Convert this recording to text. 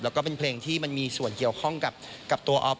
แล้วก็เป็นเพลงที่มันมีส่วนเกี่ยวข้องกับตัวออฟ